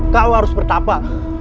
kau harus bertapa